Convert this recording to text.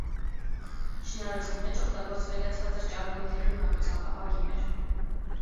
Շինարարության մեջ օգտագործվել է ցածր ճառագայթելու ունակությամբ ապակիներ։